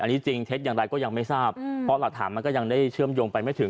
อันนี้จริงเท็จอย่างไรก็ยังไม่ทราบเพราะหลักฐานมันก็ยังได้เชื่อมโยงไปไม่ถึง